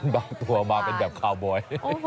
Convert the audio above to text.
บางตัวมาเป็นแบบคาวบอย